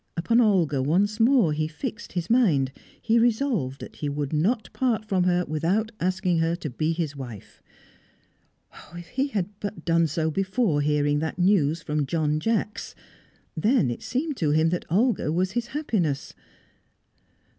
Upon Olga once more he fixed his mind. He resolved that he would not part from her without asking her to be his wife. If he had but done so before hearing that news from John Jacks! Then it seemed to him that Olga was his happiness.